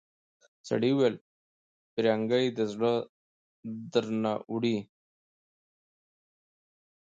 سړي وويل پرنګۍ زړه درنه وړی.